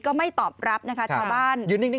ก็ไม่ตอบรับนะคะชาวบ้าน